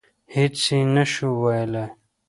هېڅ یې نه شو ویلای.